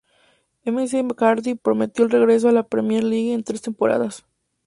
McCarthy prometió el regreso a la Premier League en tres temporadas.